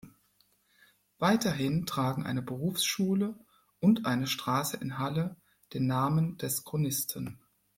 Weiterhin tragen eine Berufsschule und eine Straße in Halle den Namen des Chronisten.